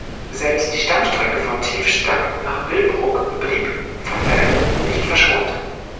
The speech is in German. Selbst die Stammstrecke von Tiefstack nach Billbrook blieb von Veränderungen nicht verschont.